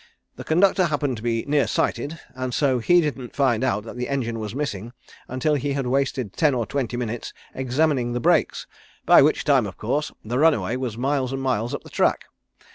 The conductor happened to be nearsighted, and so he didn't find out that the engine was missing until he had wasted ten or twenty minutes examining the brakes, by which time, of course, the runaway was miles and miles up the track.